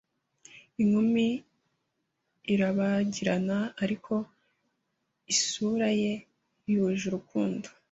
inkumi irabagiranaAriko isura ye yuje urukundo